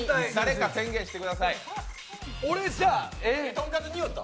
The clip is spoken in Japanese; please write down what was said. とんかつにおった？